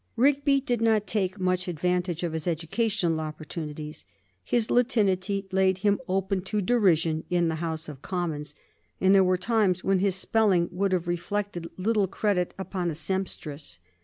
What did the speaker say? Rigby did not take much advantage of his educational opportunities. His Latinity laid him open to derision in the House of Commons, and there were times when his spelling would have reflected little credit upon a seamstress.